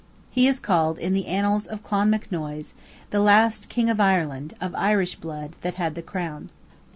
He is called, in the annals of Clonmacnoise, "the last king of Ireland, of Irish blood, that had the crown."